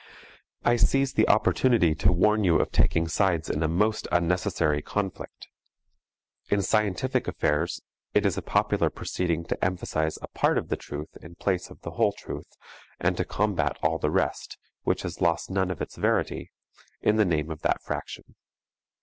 I seize the opportunity to warn you of taking sides in a most unnecessary conflict. In scientific affairs it is a popular proceeding to emphasize a part of the truth in place of the whole truth and to combat all the rest, which has lost none of its verity, in the name of that fraction.